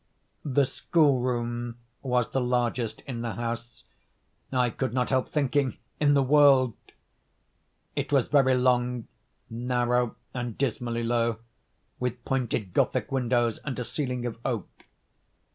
The school room was the largest in the house—I could not help thinking, in the world. It was very long, narrow, and dismally low, with pointed Gothic windows and a ceiling of oak.